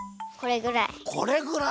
これぐらい。